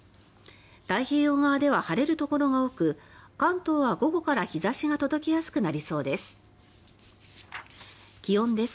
太平洋側では晴れるところが多く関東は午後から日差しが届きやすくなりそうです。